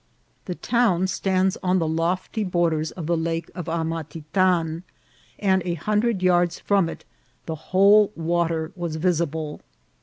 The town stands on the lofty borders of the Lake of Amatitan, and a hundred yards from it the whole water was visible.